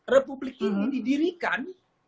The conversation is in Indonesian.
republik ini didirikan